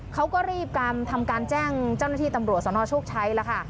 เขาก็รีบทำการแจ้งเจ้าหน้าที่ตำรวจสนโชคชัยแล้วค่ะ